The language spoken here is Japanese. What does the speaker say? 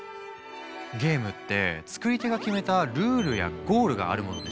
ゲームって作り手が決めたルールやゴールがあるものでしょ？